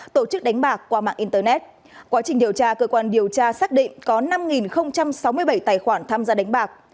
tổ chức đánh bạc qua mạng internet quá trình điều tra cơ quan điều tra xác định có năm sáu mươi bảy tài khoản tham gia đánh bạc